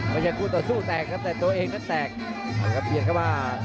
ไม่ใช่กู้ต่อสู้แตกครับแต่ของตัวเองเนี่ยแตก